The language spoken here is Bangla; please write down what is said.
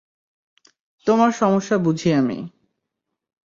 তোমার সমস্যা বুঝি আমি।